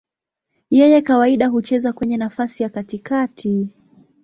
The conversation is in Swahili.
Yeye kawaida hucheza kwenye nafasi ya katikati.